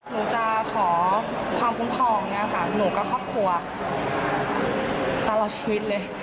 หนูจะขอความคุ้มครองเนี่ยค่ะหนูกับครอบครัวตลอดชีวิตเลย